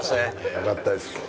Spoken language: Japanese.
よかったです。